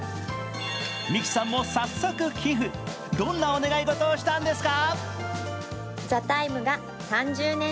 ＭＩＫＩさんも早速寄付、どんなお願い事をしたんですか？